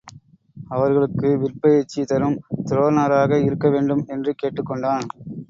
அவர்களுக்கு விற்பயிற்சி தரும் துரோணராக இருக்க வேண்டும் என்று கேட்டுக் கொண்டான்.